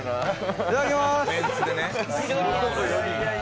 いただきます！